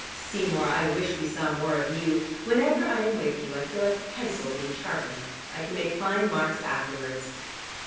Seymour, I wish we saw more of you. Whenever I am with you, I feel like a pencil being sharpened. I can make fine marks afterwards."